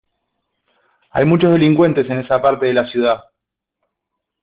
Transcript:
Hay muchos delincuentes en esa parte de la ciudad.